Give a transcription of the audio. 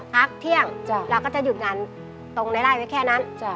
พักเที่ยงเราก็จะหยุดงานตรงในไล่ไว้แค่นั้น